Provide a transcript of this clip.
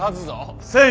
１，０００